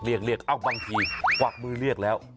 เรียกเอ้าบางทีกวักมือเรียกแล้ว